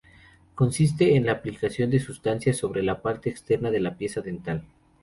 Consiste en la aplicación de sustancias sobre la parte externa de la pieza dental.